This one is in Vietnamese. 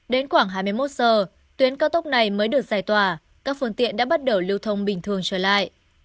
đến khoảng hai mươi một giờ tuyến cao tốc này mới được giải tỏa các phương tiện đã bắt đầu lưu thông bình thường trở lại